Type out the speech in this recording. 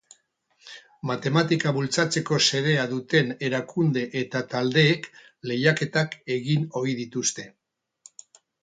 Matematika bultzatzeko xedea duten erakunde eta taldeek lehiaketak egin ohi dituzte.